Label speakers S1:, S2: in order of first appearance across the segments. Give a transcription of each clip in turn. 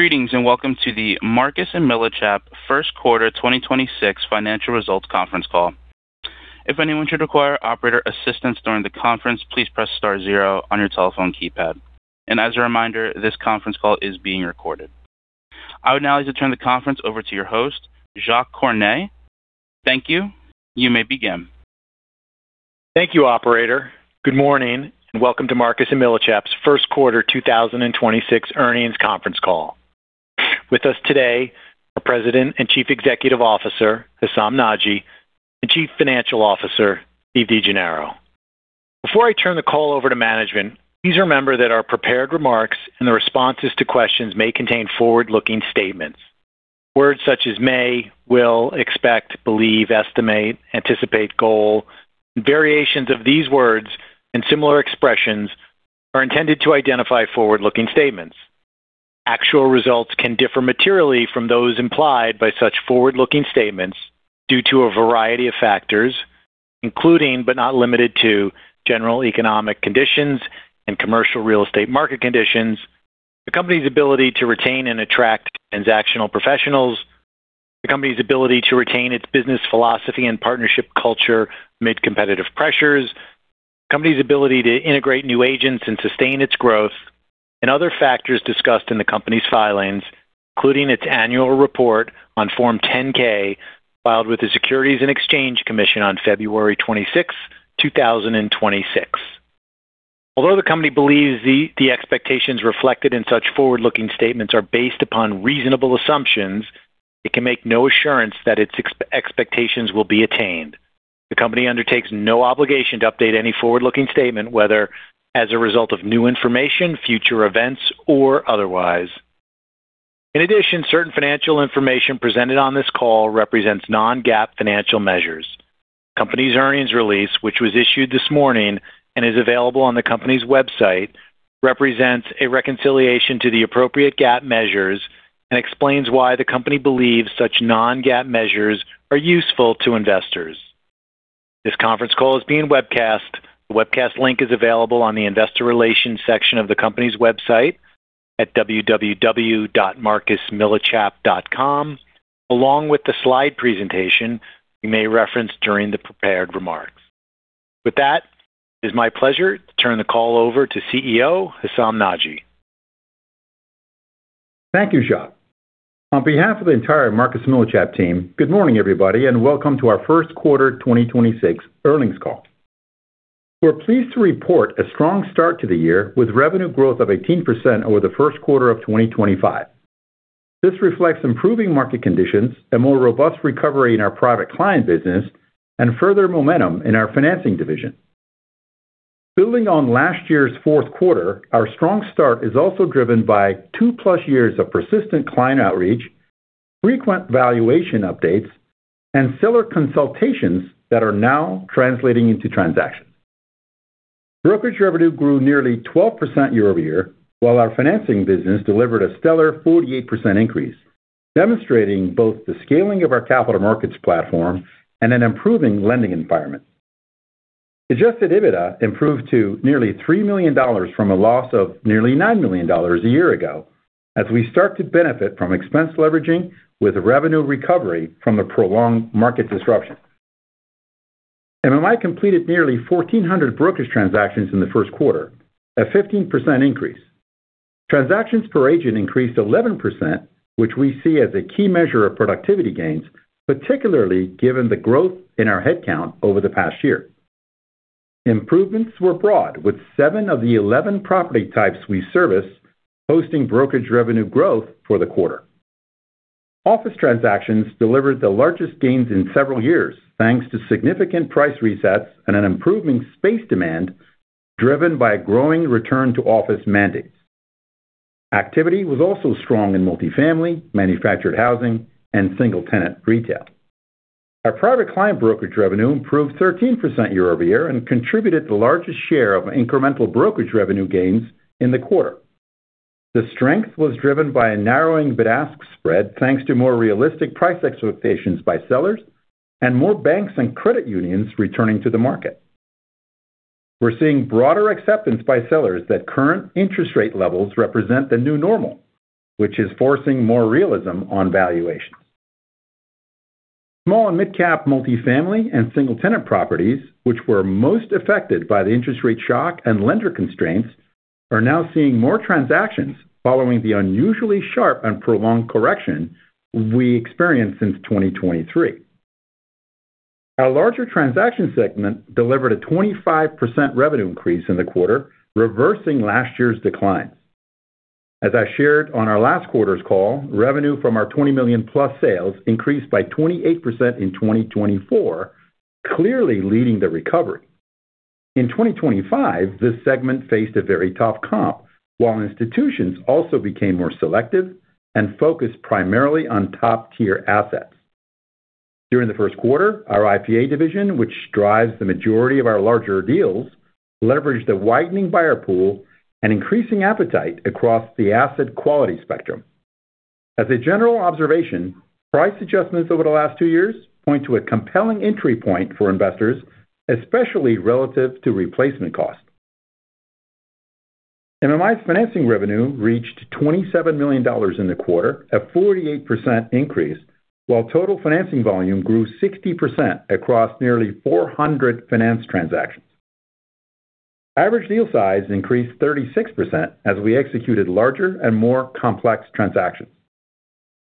S1: Greetings, welcome to the Marcus & Millichap Q1 2026 Financial Results Conference Call. If anyone should require operator assistance during the conference, please press star zero on your telephone keypad. As a reminder, this conference call is being recorded. I would now like to turn the conference over to your host, Jacques Cornet. Thank you. You may begin.
S2: Thank you, operator. Good morning, welcome to Marcus & Millichap's Q1 2026 Earnings Conference Call. With us today are President and Chief Executive Officer, Hessam Nadji, and Chief Financial Officer, Steve DeGennaro. Before I turn the call over to management, please remember that our prepared remarks and the responses to questions may contain forward-looking statements. Words such as may, will, expect, believe, estimate, anticipate, goal, and variations of these words and similar expressions are intended to identify forward-looking statements. Actual results can differ materially from those implied by such forward-looking statements due to a variety of factors, including, but not limited to general economic conditions and commercial real estate market conditions, the Company's ability to retain and attract transactional professionals, the Company's ability to retain its business philosophy and partnership culture amid competitive pressures, The Company's ability to integrate new agents and sustain its growth, and other factors discussed in the Company's filings, including its annual report on Form 10-K filed with the Securities and Exchange Commission on February 26th, 2026. Although the Company believes the expectations reflected in such forward-looking statements are based upon reasonable assumptions, it can make no assurance that its expectations will be attained. The Company undertakes no obligation to update any forward-looking statement, whether as a result of new information, future events, or otherwise. In addition, certain financial information presented on this call represents non-GAAP financial measures. Company's earnings release, which was issued this morning and is available on the company's website, represents a reconciliation to the appropriate GAAP measures and explains why the company believes such non-GAAP measures are useful to investors. This conference call is being webcast. The webcast link is available on the investor relations section of the company's website at www.marcusmillichap.com along with the slide presentation you may reference during the prepared remarks. With that, it is my pleasure to turn the call over to CEO, Hessam Nadji.
S3: Thank you, Jacques. On behalf of the entire Marcus & Millichap team, good morning, everybody, and welcome to our Q1 2026 earnings call. We're pleased to report a strong start to the year with revenue growth of 18% over the Q1 of 2025. This reflects improving market conditions, a more robust recovery in our private client business, and further momentum in our financing division. Building on last year's Q4, our strong start is also driven by 2+ years of persistent client outreach, frequent valuation updates, and seller consultations that are now translating into transactions. Brokerage revenue grew nearly 12% year-over-year, while our financing business delivered a stellar 48% increase, demonstrating both the scaling of our capital markets platform and an improving lending environment. Adjusted EBITDA improved to nearly $3 million from a loss of nearly $9 million a year ago as we start to benefit from expense leveraging with revenue recovery from the prolonged market disruption. MMI completed nearly 1,400 brokerage transactions in the Q1, a 15% increase. Transactions per agent increased 11%, which we see as a key measure of productivity gains, particularly given the growth in our headcount over the past year. Improvements were broad, with seven of the 11 property types we service hosting brokerage revenue growth for the quarter. Office transactions delivered the largest gains in several years, thanks to significant price resets and an improving space demand driven by a growing return to office mandates. Activity was also strong in multifamily, manufactured housing, and single-tenant retail. Our private client brokerage revenue improved 13% year-over-year and contributed the largest share of incremental brokerage revenue gains in the quarter. The strength was driven by a narrowing bid-ask spread, thanks to more realistic price expectations by sellers and more banks and credit unions returning to the market. We're seeing broader acceptance by sellers that current interest rate levels represent the new normal, which is forcing more realism on valuations. Small and midcap multifamily and single-tenant properties, which were most affected by the interest rate shock and lender constraints, are now seeing more transactions following the unusually sharp and prolonged correction we experienced since 2023. Our larger transaction segment delivered a 25% revenue increase in the quarter, reversing last year's declines. As I shared on our last quarter's call, revenue from our 20+ million sales increased by 28% in 2024, clearly leading the recovery. In 2025, this segment faced a very tough comp, while institutions also became more selective and focused primarily on top-tier assets. During the Q1, our IPA division, which drives the majority of our larger deals, leveraged a widening buyer pool and increasing appetite across the asset quality spectrum. As a general observation, price adjustments over the last two years point to a compelling entry point for investors, especially relative to replacement cost. MMI's financing revenue reached $27 million in the quarter, a 48% increase, while total financing volume grew 60% across nearly 400 finance transactions. Average deal size increased 36% as we executed larger and more complex transactions.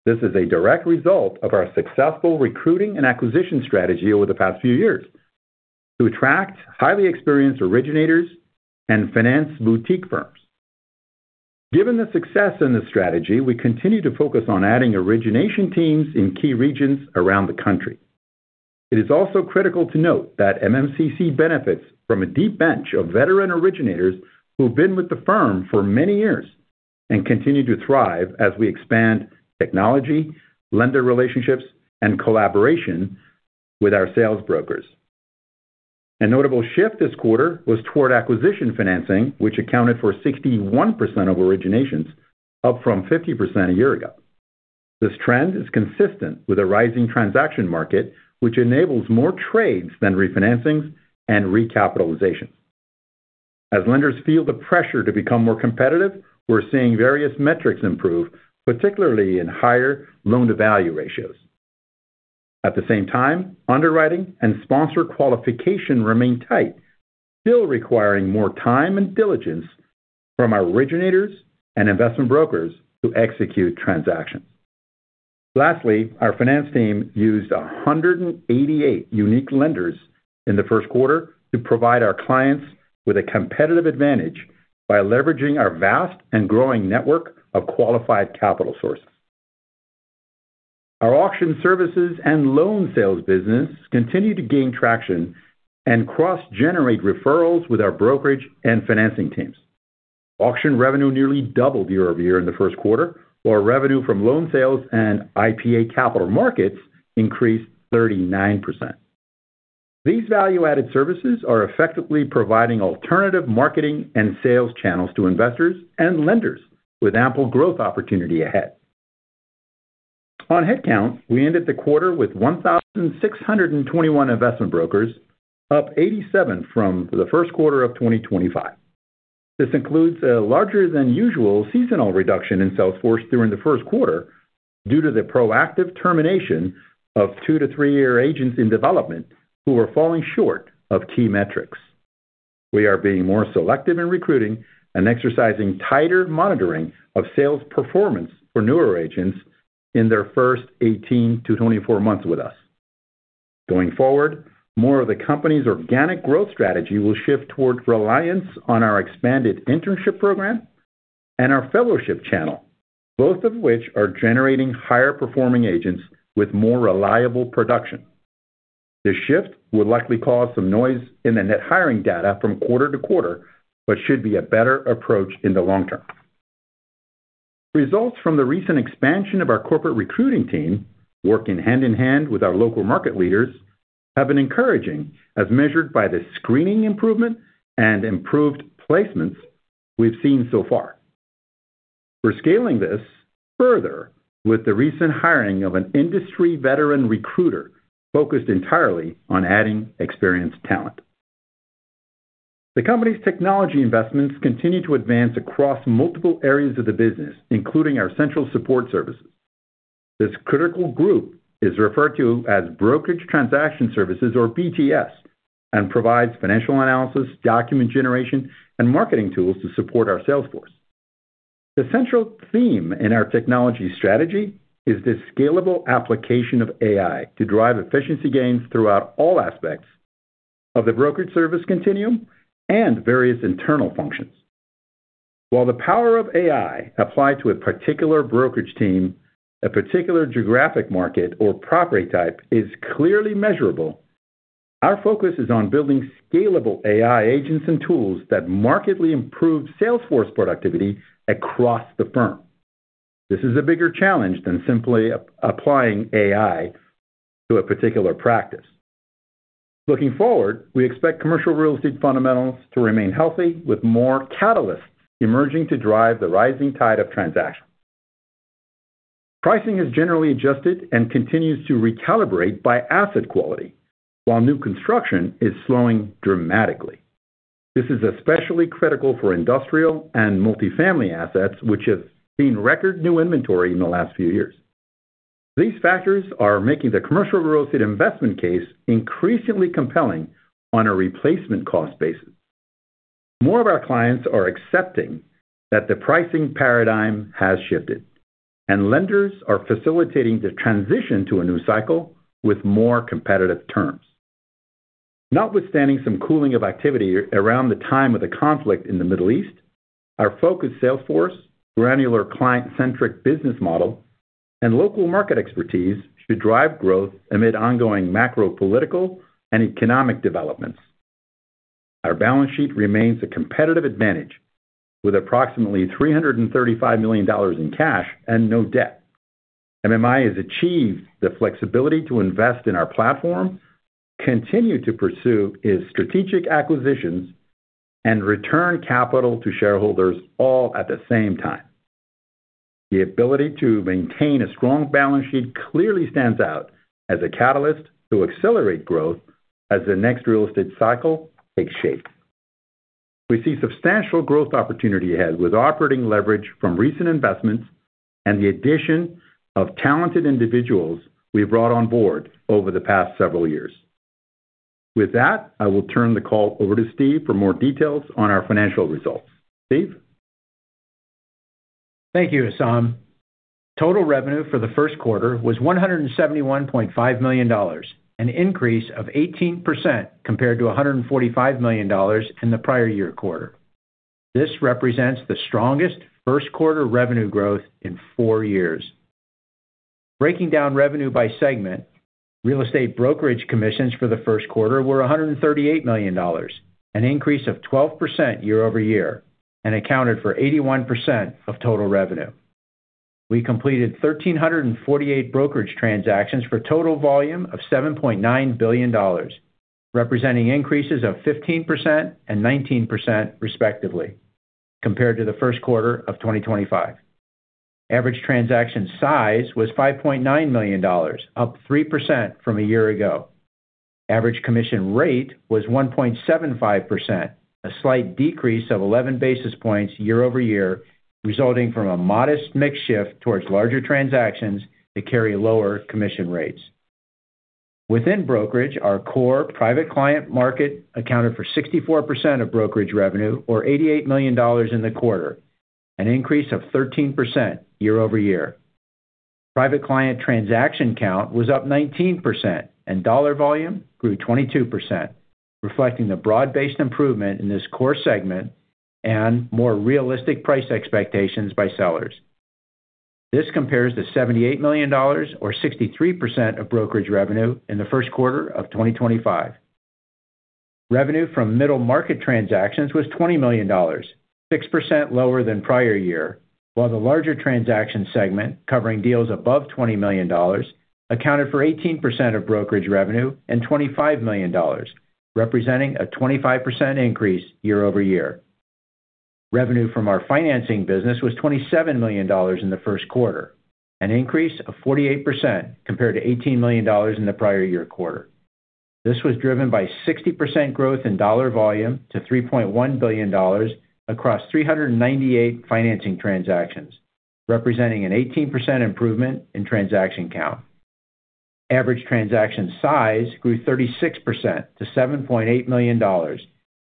S3: This is a direct result of our successful recruiting and acquisition strategy over the past few years to attract highly experienced originators and finance boutique firms. Given the success in this strategy, we continue to focus on adding origination teams in key regions around the country. It is also critical to note that MMCC benefits from a deep bench of veteran originators who've been with the firm for many years and continue to thrive as we expand technology, lender relationships, and collaboration with our sales brokers. A notable shift this quarter was toward acquisition financing, which accounted for 61% of originations, up from 50% a year ago. This trend is consistent with a rising transaction market, which enables more trades than refinancings and recapitalizations. As lenders feel the pressure to become more competitive, we're seeing various metrics improve, particularly in higher loan-to-value ratios. At the same time, underwriting and sponsor qualification remain tight, still requiring more time and diligence from our originators and investment brokers to execute transactions. Lastly, our finance team used 188 unique lenders in the Q1 to provide our clients with a competitive advantage by leveraging our vast and growing network of qualified capital sources. Our auction services and loan sales business continue to gain traction and cross-generate referrals with our brokerage and financing teams. Auction revenue nearly doubled year-over-year in the Q1, while revenue from loan sales and IPA Capital Markets increased 39%. These value-added services are effectively providing alternative marketing and sales channels to investors and lenders with ample growth opportunity ahead. On headcount, we ended the quarter with 1,621 investment brokers, up 87 from the Q1 of 2025. This includes a larger than usual seasonal reduction in sales force during the Q1 due to the proactive termination of two to three year agents in development who are falling short of key metrics. We are being more selective in recruiting and exercising tighter monitoring of sales performance for newer agents in their first 18 to 24 months with us. Going forward, more of the company's organic growth strategy will shift toward reliance on our expanded internship program and our fellowship channel, both of which are generating higher-performing agents with more reliable production. This shift will likely cause some noise in the net hiring data from quarter-to-quarter but should be a better approach in the long term. Results from the recent expansion of our corporate recruiting team, working hand in hand with our local market leaders, have been encouraging as measured by the screening improvement and improved placements we've seen so far. We're scaling this further with the recent hiring of an industry veteran recruiter focused entirely on adding experienced talent. The company's technology investments continue to advance across multiple areas of the business, including our central support services. This critical group is referred to as Brokerage Transaction Services or BTS and provides financial analysis, document generation, and marketing tools to support our sales force. The central theme in our technology strategy is the scalable application of AI to drive efficiency gains throughout all aspects of the brokerage service continuum and various internal functions. While the power of AI applied to a particular brokerage team, a particular geographic market, or property type is clearly measurable, our focus is on building scalable AI agents and tools that markedly improve sales force productivity across the firm. This is a bigger challenge than simply applying AI to a particular practice. Looking forward, we expect commercial real estate fundamentals to remain healthy, with more catalysts emerging to drive the rising tide of transactions. Pricing has generally adjusted and continues to recalibrate by asset quality, while new construction is slowing dramatically. This is especially critical for industrial and multifamily assets, which have seen record new inventory in the last few years. These factors are making the commercial real estate investment case increasingly compelling on a replacement cost basis. More of our clients are accepting that the pricing paradigm has shifted, and lenders are facilitating the transition to a new cycle with more competitive terms. Notwithstanding some cooling of activity around the time of the conflict in the Middle East, our focused sales force, granular client-centric business model, and local market expertise should drive growth amid ongoing macro political and economic developments. Our balance sheet remains a competitive advantage with approximately $335 million in cash and no debt. MMI has achieved the flexibility to invest in our platform, continue to pursue its strategic acquisitions, and return capital to shareholders all at the same time. The ability to maintain a strong balance sheet clearly stands out as a catalyst to accelerate growth as the next real estate cycle takes shape. We see substantial growth opportunity ahead with operating leverage from recent investments and the addition of talented individuals we've brought on board over the past several years. With that, I will turn the call over to Steve for more details on our financial results. Steve?
S4: Thank you, Hessam. Total revenue for the Q1 was $171.5 million, an increase of 18% compared to $145 million in the prior year quarter. This represents the strongest Q1 revenue growth in four years. Breaking down revenue by segment, real estate brokerage commissions for the Q1 were $138 million, an increase of 12% year-over-year, and accounted for 81% of total revenue. We completed 1,348 brokerage transactions for a total volume of $7.9 billion, representing increases of 15% and 19% respectively compared to the Q1 of 2025. Average transaction size was $5.9 million, up 3% from a year ago. Average commission rate was 1.75%, a slight decrease of 11 basis points year-over-year, resulting from a modest mix shift towards larger transactions that carry lower commission rates. Within brokerage, our core private client market accounted for 64% of brokerage revenue, or $88 million in the quarter, an increase of 13% year-over-year. Private client transaction count was up 19%, and dollar volume grew 22%, reflecting the broad-based improvement in this core segment and more realistic price expectations by sellers. This compares to $78 million or 63% of brokerage revenue in the Q1 of 2025. Revenue from middle market transactions was $20 million, 6% lower than prior year, while the larger transaction segment covering deals above $20 million accounted for 18% of brokerage revenue and $25 million, representing a 25% increase year-over-year. Revenue from our financing business was $27 million in the Q1, an increase of 48% compared to $18 million in the prior year quarter. This was driven by 60% growth in dollar volume to $3.1 billion across 398 financing transactions, representing an 18% improvement in transaction count. Average transaction size grew 36% to $7.8 million,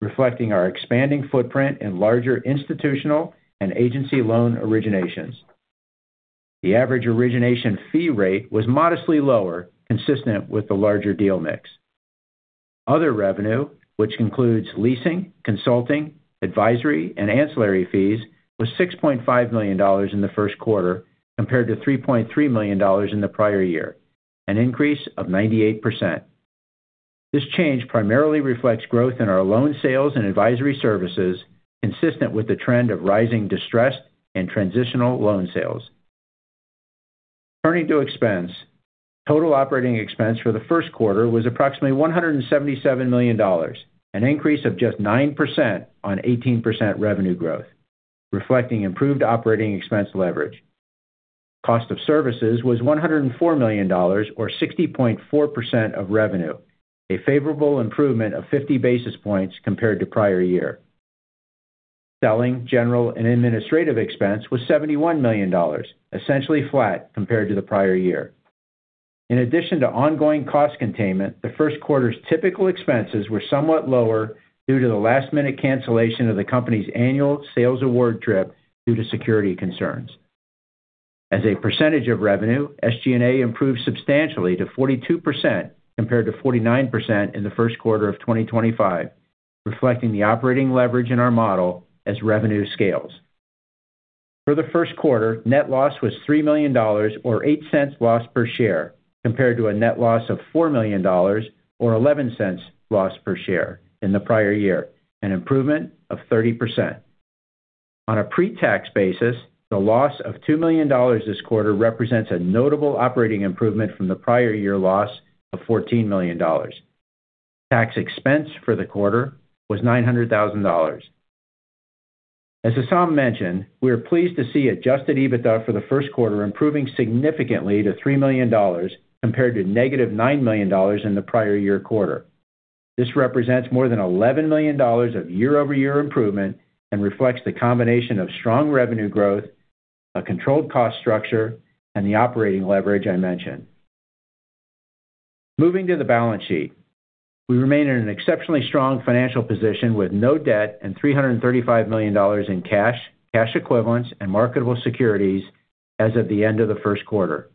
S4: reflecting our expanding footprint in larger institutional and agency loan originations. The average origination fee rate was modestly lower, consistent with the larger deal mix. Other revenue, which includes leasing, consulting, advisory, and ancillary fees, was $6.5 million in the Q1 compared to $3.3 million in the prior year, an increase of 98%. This change primarily reflects growth in our loan sales and advisory services consistent with the trend of rising distressed and transitional loan sales. Turning to expense, total operating expense for the Q1 was approximately $177 million, an increase of just 9% on 18% revenue growth, reflecting improved operating expense leverage. Cost of services was $104 million, or 60.4% of revenue, a favorable improvement of 50 basis points compared to prior year. Selling, General, and Administrative expense was $71 million, essentially flat compared to the prior year. In addition to ongoing cost containment, the Q1's typical expenses were somewhat lower due to the last-minute cancellation of the company's annual sales award trip due to security concerns. As a percentage of revenue, SG&A improved substantially to 42% compared to 49% in the Q1 of 2025, reflecting the operating leverage in our model as revenue scales. For the Q1, net loss was $3 million, or $0.08 loss per share, compared to a net loss of $4 million, or $0.11 loss per share in the prior year, an improvement of 30%. On a pre-tax basis, the loss of $2 million this quarter represents a notable operating improvement from the prior-year loss of $14 million. Tax expense for the quarter was $900,000. As Hessam mentioned, we are pleased to see adjusted EBITDA for the Q1 improving significantly to $3 million compared to -$9 million in the prior-year quarter. This represents more than $11 million of year-over-year improvement and reflects the combination of strong revenue growth, a controlled cost structure, and the operating leverage I mentioned. Moving to the balance sheet. We remain in an exceptionally strong financial position with no debt and $335 million in cash equivalents, and marketable securities as of the end of the Q1.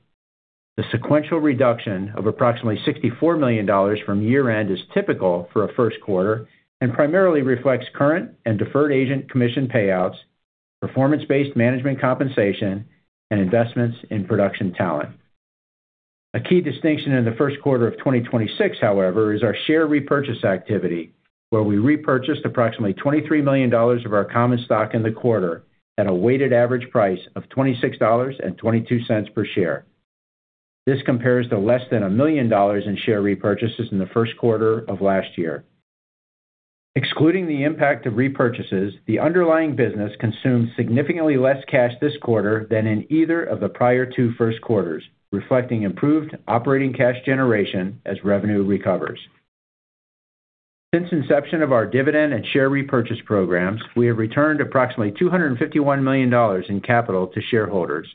S4: The sequential reduction of approximately $64 million from year-end is typical for a Q1 and primarily reflects current and deferred agent commission payouts, performance-based management compensation, and investments in production talent. A key distinction in the Q1 of 2026, however, is our share repurchase activity, where we repurchased approximately $23 million of our common stock in the quarter at a weighted average price of $26.22 per share. This compares to less than $1 million in share repurchases in the Q1 of last year. Excluding the impact of repurchases, the underlying business consumed significantly less cash this quarter than in either of the prior Q1, Q2 reflecting improved operating cash generation as revenue recovers. Since inception of our dividend and share repurchase programs, we have returned approximately $251 million in capital to shareholders.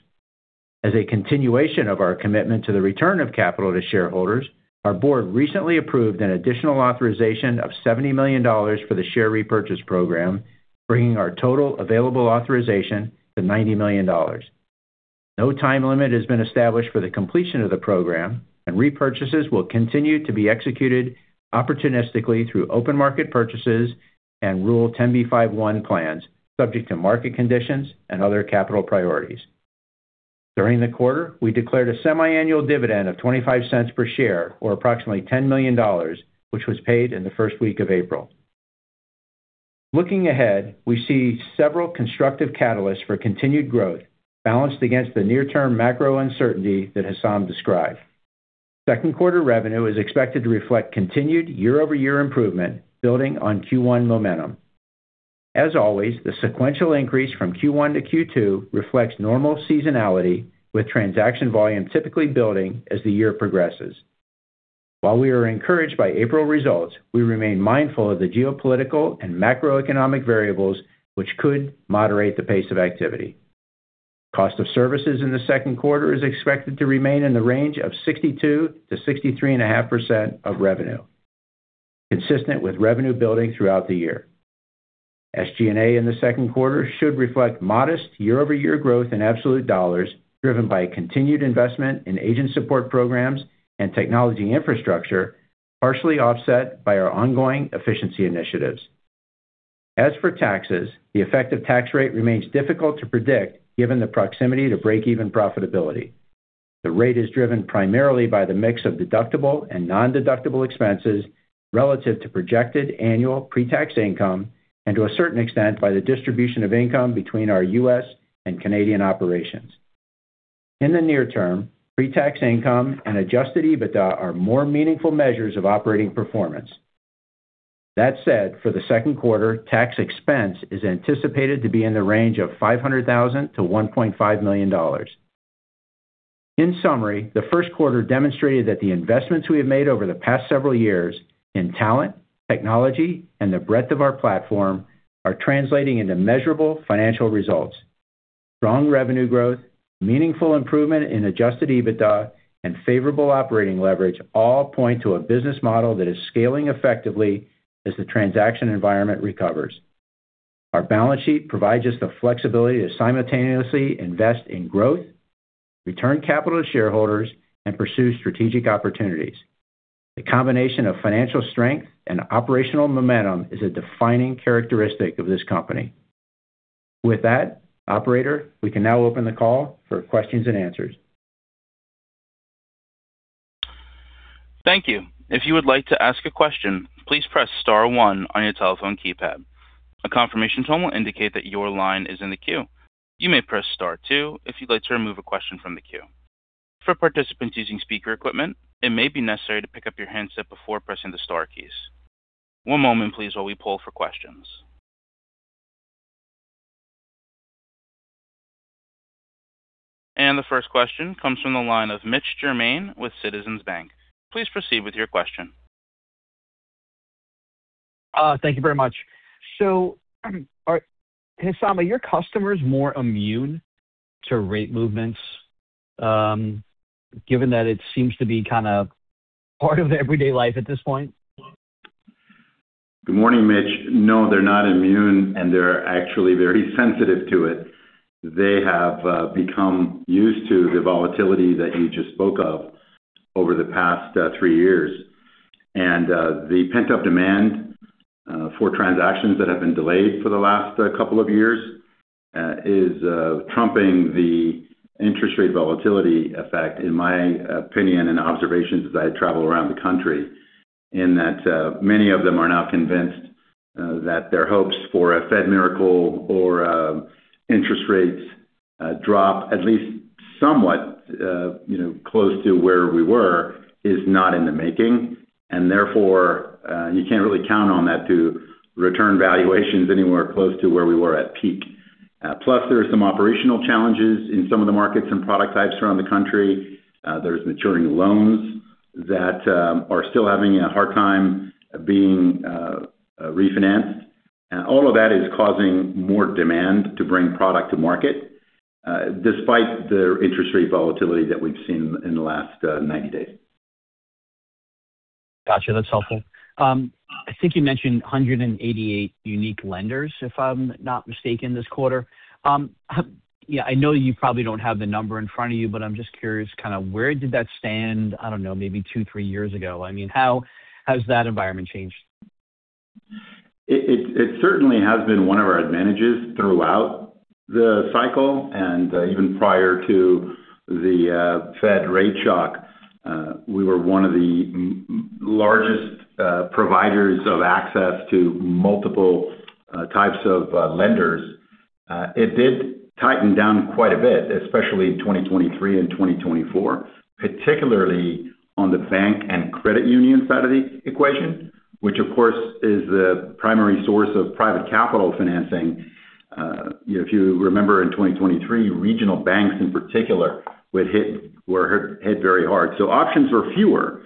S4: As a continuation of our commitment to the return of capital to shareholders, our board recently approved an additional authorization of $70 million for the share repurchase program, bringing our total available authorization to $90 million. No time limit has been established for the completion of the program, and repurchases will continue to be executed opportunistically through open market purchases and Rule 10b5-1 plans, subject to market conditions and other capital priorities. During the quarter, we declared a semiannual dividend of $0.25 per share, or approximately $10 million, which was paid in the first week of April. Looking ahead, we see several constructive catalysts for continued growth balanced against the near-term macro uncertainty that Hessam described. Q2 revenue is expected to reflect continued year-over-year improvement building on Q1 momentum. As always, the sequential increase from Q1 to Q2 reflects normal seasonality, with transaction volume typically building as the year progresses. While we are encouraged by April results, we remain mindful of the geopolitical and macroeconomic variables which could moderate the pace of activity. Cost of services in the Q2 is expected to remain in the range of 62% to 63.5% of revenue, consistent with revenue building throughout the year. SG&A in the Q2 should reflect modest year-over-year growth in absolute dollars, driven by a continued investment in agent support programs and technology infrastructure, partially offset by our ongoing efficiency initiatives. As for taxes, the effective tax rate remains difficult to predict given the proximity to break-even profitability. The rate is driven primarily by the mix of deductible and nondeductible expenses relative to projected annual pre-tax income, and to a certain extent, by the distribution of income between our U.S. and Canadian operations. In the near term, pre-tax income and adjusted EBITDA are more meaningful measures of operating performance. That said, for the Q2, tax expense is anticipated to be in the range of $500,000-$1.5 million. In summary, the Q1 demonstrated that the investments we have made over the past several years in talent, technology, and the breadth of our platform are translating into measurable financial results. Strong revenue growth, meaningful improvement in adjusted EBITDA, and favorable operating leverage all point to a business model that is scaling effectively as the transaction environment recovers. Our balance sheet provides us the flexibility to simultaneously invest in growth, return capital to shareholders, and pursue strategic opportunities. The combination of financial strength and operational momentum is a defining characteristic of this company. With that, operator, we can now open the call for questions and answers.
S1: Thank you. If you would like to ask a question, please press star one on your telephone keypad. A confirmation tone will indicate that your line is in the queue. You may press star two if you'd like to remove a question from the queue. For participants using speaker equipment, it may be necessary to pick up your handset before pressing the star keys. One moment please while we poll for questions. The first question comes from the line of Mitch Germain with Citizens Bank. Please proceed with your question.
S5: Thank you very much. Hessam, are your customers more immune to rate movements, given that it seems to be kind of part of everyday life at this point?
S3: Good morning, Mitch. No, they're not immune, and they're actually very sensitive to it. They have become used to the volatility that you just spoke of over the past three years. The pent-up demand for transactions that have been delayed for the last two years, is trumping the interest rate volatility effect, in my opinion and observations as I travel around the country, in that many of them are now convinced that their hopes for a Fed miracle or interest rates drop at least somewhat, you know, close to where we were, is not in the making. Therefore, you can't really count on that to return valuations anywhere close to where we were at peak. Plus, there are some operational challenges in some of the markets and product types around the country. There's maturing loans that are still having a hard time being refinanced. All of that is causing more demand to bring product to market, despite the interest rate volatility that we've seen in the last 90 days.
S5: Gotcha. That's helpful. I think you mentioned 188 unique lenders, if I'm not mistaken, this quarter. I know you probably don't have the number in front of you, but I'm just curious kinda where did that stand, I don't know, maybe two, three years ago? I mean, how has that environment changed?
S3: It certainly has been one of our advantages throughout the cycle, and even prior to the Fed rate shock. We were one of the largest providers of access to multiple types of lenders. It did tighten down quite a bit, especially in 2023 and 2024, particularly on the bank and credit union side of the equation, which of course is the primary source of private capital financing. You know, if you remember in 2023, regional banks in particular were hit very hard. Options were fewer.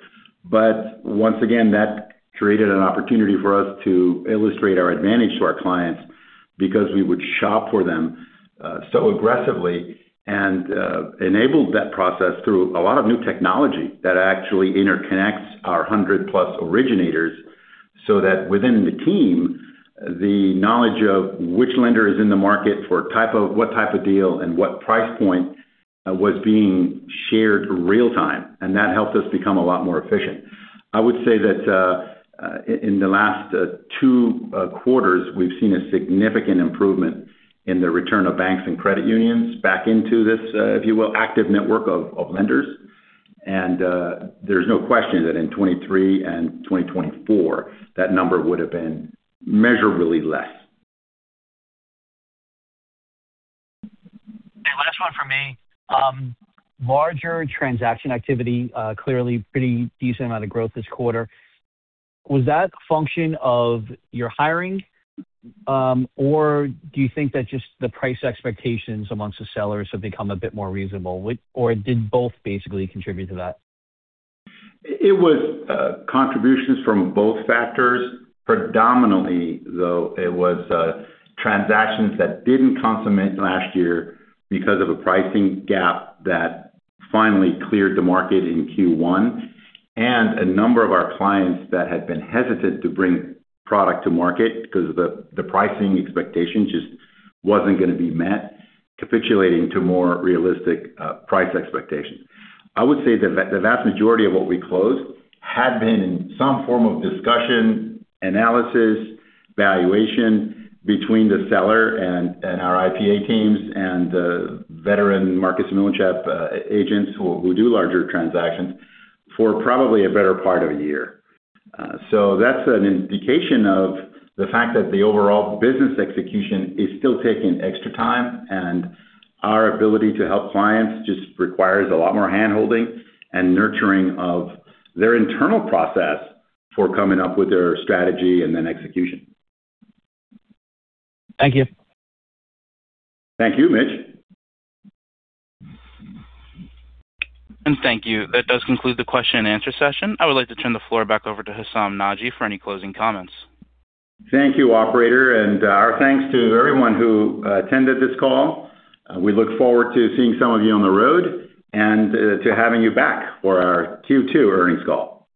S3: Once again, that created an opportunity for us to illustrate our advantage to our clients because we would shop for them so aggressively and enabled that process through a lot of new technology that actually interconnects our 100+ originators, so that within the team, the knowledge of which lender is in the market for what type of deal and what price point was being shared real time, and that helped us become a lot more efficient. I would say that, in the last Q3, Q4, we've seen a significant improvement in the return of banks and credit unions back into this, if you will, active network of lenders. There's no question that in 2023 and 2024, that number would've been measurably less.
S5: Last one from me. Larger transaction activity, clearly pretty decent amount of growth this quarter. Was that a function of your hiring, or do you think that just the price expectations amongst the sellers have become a bit more reasonable? Or did both basically contribute to that?
S3: It was contributions from both factors. Predominantly, though, it was transactions that didn't consummate last year because of a pricing gap that finally cleared the market in Q1, a number of our clients that had been hesitant to bring product to market because the pricing expectation just wasn't gonna be met, capitulating to more realistic price expectations. I would say the vast majority of what we closed had been in some form of discussion, analysis, valuation between the seller and our IPA teams and the veteran Marcus & Millichap agents who do larger transactions for probably a better part of one year. That's an indication of the fact that the overall business execution is still taking extra time, and our ability to help clients just requires a lot more hand-holding and nurturing of their internal process for coming up with their strategy and then execution.
S5: Thank you.
S3: Thank you, Mitch.
S1: Thank you. That does conclude the question and answer session. I would like to turn the floor back over to Hessam Nadji for any closing comments.
S3: Thank you, operator, and, our thanks to everyone who, attended this call. We look forward to seeing some of you on the road and, to having you back for our Q2 earnings call.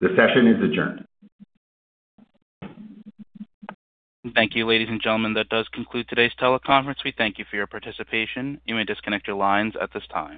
S3: The session is adjourned.
S1: Thank you, ladies and gentlemen. That does conclude today's teleconference. We thank you for your participation. You may disconnect your lines at this time.